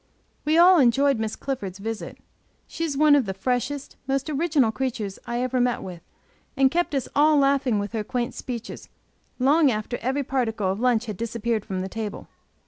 We all enjoyed Miss Clifford's visit. She is one of the freshest, most original creatures I ever met with, and kept us all laughing with her quaint speeches, long after every particle of lunch had disappeared from the table.